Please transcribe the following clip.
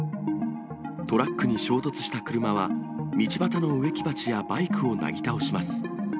トラックに衝突した車は、道端の植木鉢やバイクをなぎ倒します。